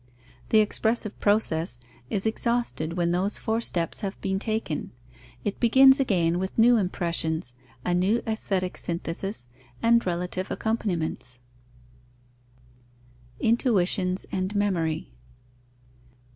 The expressive process is exhausted when those four steps have been taken. It begins again with new impressions, a new aesthetic synthesis, and relative accompaniments. _Intuitions and memory.